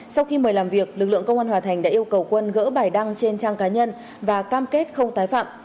sau khi mời làm việc lực lượng công an hòa thành đã yêu cầu quân gỡ bài đăng trên trang cá nhân và cam kết không tái phạm